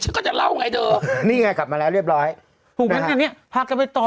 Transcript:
ก็จะเล่าไงเธอนี่ไงกลับมาแล้วเรียบร้อยถูกงั้นอันเนี้ยพากันไปต่อ